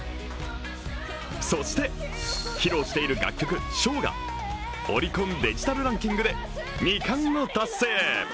そして披露している楽曲「唱」がオリコンデジタルランキングで２冠の達成。